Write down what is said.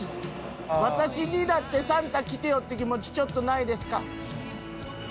私にだってサンタ来てよって気持ちちょっとないですか？